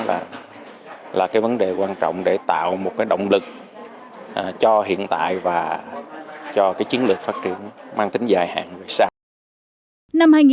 những cái vấn đề quan trọng để tạo một cái động lực cho hiện tại và cho cái chiến lược phát triển mang tính dài hạn